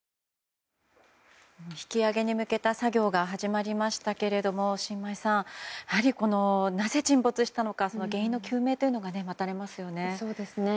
引き揚げに向けた作業が始まりましたけれども申真衣さん、なぜ沈没したのか原因の究明というのが待たれますよね。